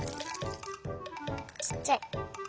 ちっちゃい。